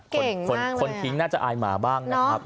เก่งมากเลยอ่ะคนทิ้งน่าจะอายหมาบ้างนะครับ